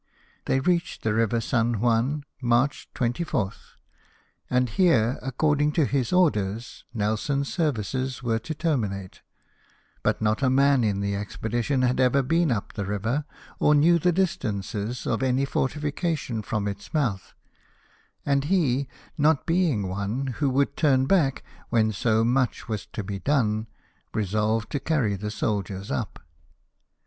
They reached the river San Juan March 24th ; and here, according to his orders, Nelson's services were to terminate; but not a man in the expedition had ever been up the river, or knew the distances of any fortification from its mouth, and he, not being one who would turn back when so much was to be done, resolved to carry the soldiers up.